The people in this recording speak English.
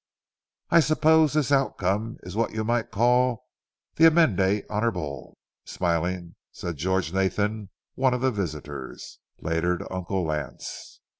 "I suppose this outcome is what you might call the amende honorable" smilingly said George Nathan, one of the visitors, later to Uncle Lance.